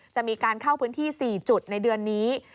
จะมีการเข้าพื้นที่๔จุดในเดือนนี้